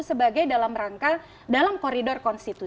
sebagai dalam rangka dalam koridor konstitusi